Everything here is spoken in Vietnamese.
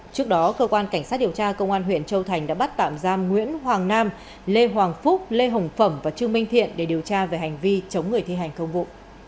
trước đó cơ quan cảnh sát điều tra công an huyện châu thành đã bắt tạm giam nguyễn hoàng nam lê hoàng phúc lê hồng phẩm và trương minh thiện để điều tra về hành vi chống người thi hành công vụ